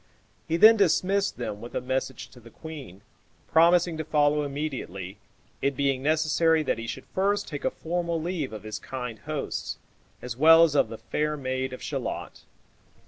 He then dismissed them with a message to the queen, promising to follow immediately, it being necessary that he should first take a formal leave of his kind hosts, as well as of the fair maid of Shalott.